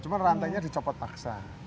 cuma rantainya dicopot paksa